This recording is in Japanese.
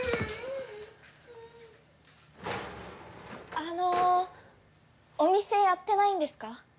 あのお店やってないんですか？